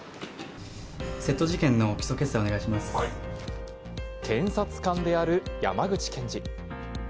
窃盗事件の起訴決裁をお願い検察官である山口検事。